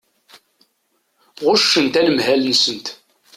Ɣuccent anemhal-nsent.